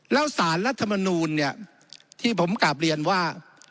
แล้วสารรัฐมนูลเนี่ยที่ผมกลับเรียนว่า